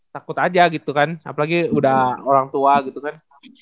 takut aja gitu kan apalagi udah orang tua gitu kan